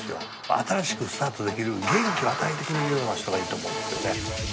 新しくスタートできる元気を与えてくれるような人がいいと思うんですよね。